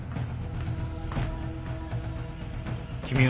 君は？